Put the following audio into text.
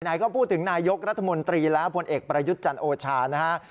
ไหนก็พูดถึงนายกรัฐมนตรีแล้วผลเอกประยุทธ์จันทร์โอชานะฮะ